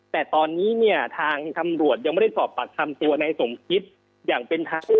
แต่ตอนนี้เนี่ยทางตำรวจยังไม่ได้สอบปากคำตัวในสมคิดอย่างเป็นทาง